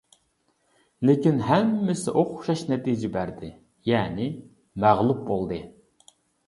لېكىن ھەممىسى ئوخشاش نەتىجە بەردى، يەنى مەغلۇپ بولدى.